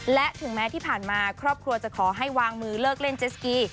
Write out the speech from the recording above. และถึงแม้ที่ผ่านมาครอบครัวจะขอให้วางมือเลิกเล่นเจสกี